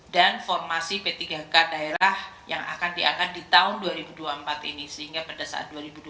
dan formasi p tiga k daerah yang akan diangkat di tahun dua ribu dua puluh empat ini sehingga pada saat dua ribu dua puluh empat